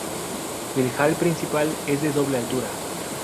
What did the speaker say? El hall Principal es de doble altura.